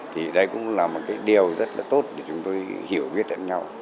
thì đây cũng là một cái điều rất là tốt để chúng tôi hiểu biết lẫn nhau